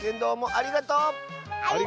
ありがとう！